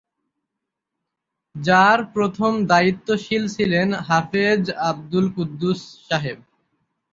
যার প্রথম দায়িত্বশীল ছিলেন হাফেজ আব্দুল কুদ্দুস সাহেব।